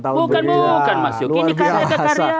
bukan bukan ini karya ke karya